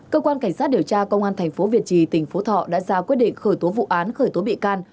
cơ quan cảnh sát điều tra công an thành phố việt trì tỉnh phố thọ đã ra quyết định khởi tố vụ án khởi tố bị can